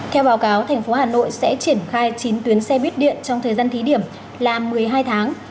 theo báo cáo thành phố hà nội sẽ triển khai chín tuyến xe buýt điện trong thời gian thí điểm là một mươi hai tháng